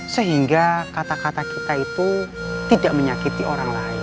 sehingga kata kata kita itu tidak menyakiti orang lain